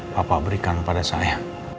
papa berikan pada saya